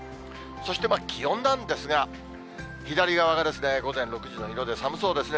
そして気温なんですが、左側が午前６時の色で寒そうですね。